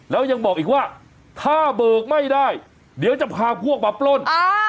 แล้วยังบอกอีกว่าถ้าเบิกไม่ได้เดี๋ยวจะพาพวกมาปล้น